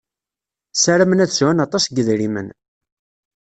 Saramen ad sɛun aṭas n yedrimen.